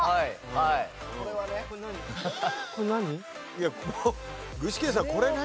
いや具志堅さん「これ何？」